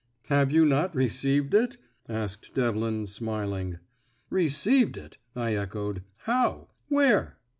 "Have you not received it?" asked Devlin, smiling. "Received it!" I echoed. "How? Where?"